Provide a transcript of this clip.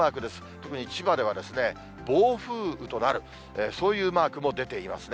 特に千葉では、暴風雨となる、そういうマーク、出ていますね。